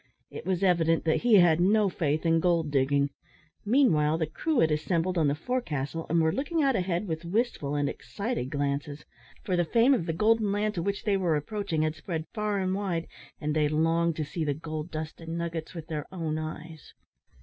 It was evident that he had no faith in gold digging. Meanwhile the crew had assembled on the forecastle, and were looking out ahead with wistful and excited glances; for the fame of the golden land to which they were approaching had spread far and wide, and they longed to see the gold dust and nuggets with their own eyes.